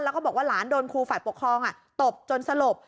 แล้วก็บอกว่าหลานโดนครูฝ่ายปกครองตบจนสลบ